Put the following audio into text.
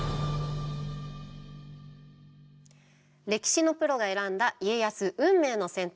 歴史のプロが選んだ家康運命の選択。